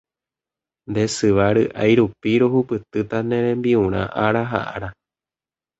Nde syva ry'ái rupi ruhupytýta ne rembi'urã ára ha ára.